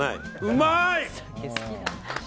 うまい！